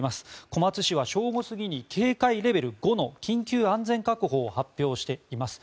小松市は正午過ぎに警戒レベル５の緊急安全確保を発表しています。